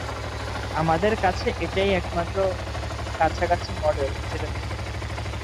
আমাদের কাছে এটাই একমাত্র কাছাকাছি মডেল যেটা বিদ্যমান!